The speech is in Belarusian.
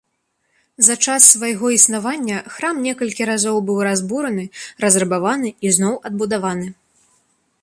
За час свайго існавання храм некалькі разоў быў разбураны, разрабаваны і зноў адбудаваны.